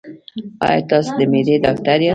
ایا تاسو د معدې ډاکټر یاست؟